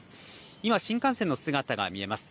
今、新幹線の姿が見えます。